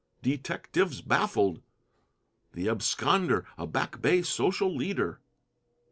DETECTIVES BAFFLED. THE ABSCONDER A BACK BAY SOCIAL LEADER.